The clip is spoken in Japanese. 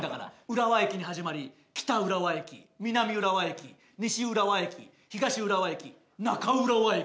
浦和駅に始まり北浦和駅南浦和駅西浦和駅東浦和駅中浦和駅。